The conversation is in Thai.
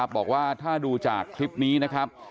บอกว่าถ้าดูจากคลิปนี้นะครับ